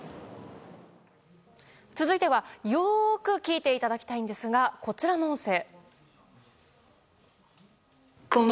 続いては、よく聞いていただきたいんですがこちらの音声。